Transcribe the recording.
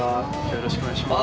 よろしくお願いします。